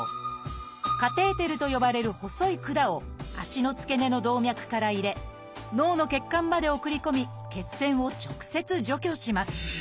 「カテーテル」と呼ばれる細い管を脚の付け根の動脈から入れ脳の血管まで送り込み血栓を直接除去します。